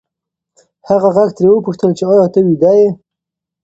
هغه غږ ترې وپوښتل چې ایا ته ویده یې؟